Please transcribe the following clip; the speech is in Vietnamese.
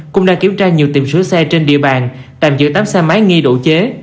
cũng đang kiểm tra nhiều tiệm sửa xe trên địa bàn tạm giữ tám xe máy nghi đổ chế